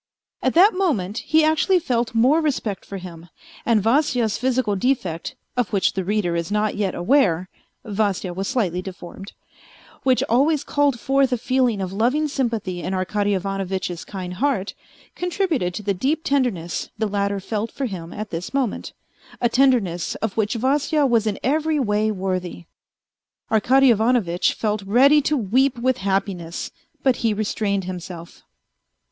At that moment he actually felt more respect for him, and Vasya's physical defect, of which the reader is not yet aware (Vasya was slightly deformed), which always called forth a feeling of loving sympathy in Arkady Ivanovitch's kind heart, contributed to the deep tenderness the latter felt for him at this moment, a tenderness of which Vasya was in every way worthy. Arkady Ivanovitch felt ready to weep with happiness, but he restrained himself.